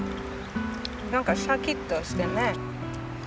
何かシャキッとしてね。